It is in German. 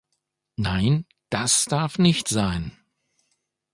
Nein, das darf nicht sein!